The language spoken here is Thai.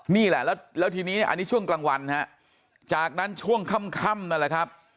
นี่แหละแล้วทีนี้อันนี้ช่วงกลางวันฮะจากนั้นช่วงค่ำนั่นแหละครับ